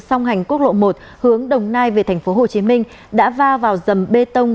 song hành quốc lộ một hướng đồng nai về tp hcm đã va vào dầm bê tông